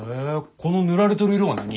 この塗られとる色は何？